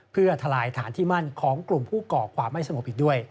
เพื่อทลายฐานที่มั่นของกลุ่มผู้ก่อความไม่สงบอีกด้วย